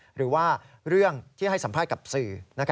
หรือว่าเรื่องที่ให้สัมภาษณ์กับสื่อ